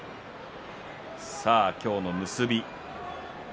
さあ、今日の結び。